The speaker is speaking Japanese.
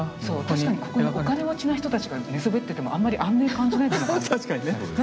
確かにここにお金持ちの人たちが寝そべっててもあんまり安寧感じないじゃないですか。